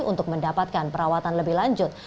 untuk mendapatkan perawatan lebih lanjut